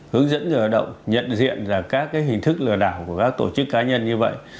hướng dẫn lừa đảo nhận diện các hình thức lừa đảo của các tổ chức cá nhân như vậy